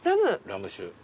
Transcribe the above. ラム酒。